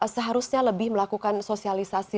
seharusnya lebih melakukan sosialisasi